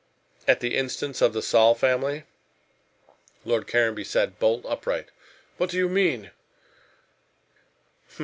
"At the instance of the Saul family?" Lord Caranby sat bolt upright. "What do you mean?"